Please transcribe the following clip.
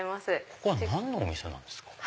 ここは何のお店なんですか？